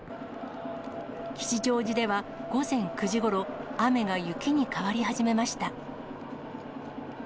吉祥寺では午前９時ごろ、雨が雪に変わり始めました。